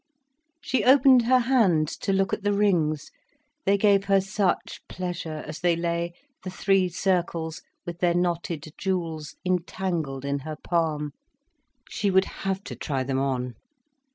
She opened her hand to look at the rings. They gave her such pleasure, as they lay, the three circles, with their knotted jewels, entangled in her palm. She would have to try them on.